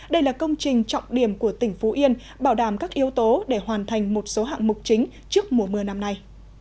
đây là công trình trọng điểm của tỉnh phú yên bảo đảm các yếu tố để hoàn thành một số hạng mục chính trước mùa mưa năm nay